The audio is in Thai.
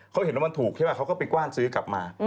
เขาเห็นว่ามันถูกใช่ไหมเขาก็ไปกว้านซื้อกลับมา